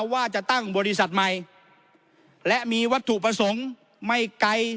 ว่าจะตั้งบริษัทใหม่และมีวัตถุประสงค์ไม่ไกล